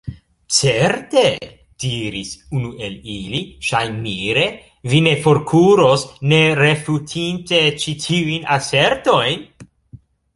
Certe, diris unu el ili, ŝajnmire, vi ne forkuros, ne refutinte ĉi tiujn asertojn!